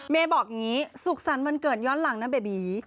บอกอย่างนี้สุขสรรค์วันเกิดย้อนหลังนะเบบี